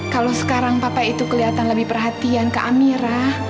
kalau sekarang papa itu kelihatan lebih perhatian ke amirah